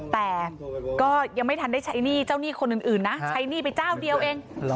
แต่ก็ยังไม่ทันได้ใช้หนี้เจ้าหนี้คนอื่นนะใช้หนี้ไปเจ้าเดียวเอง